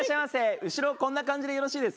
後ろこんな感じでよろしいですか？